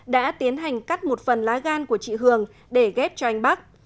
đã tiến hành cắt một phần lá gan của chị hường để ghép cho anh bắc